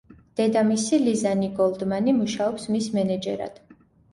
დედამისი ლიზა ნი გოლდმანი მუშაობს მის მენეჯერად.